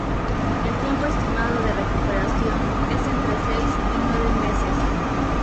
El tiempo estimado de recuperación es entre seis y nueve meses.